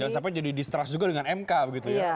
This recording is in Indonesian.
jangan sampai jadi distrust juga dengan mk begitu ya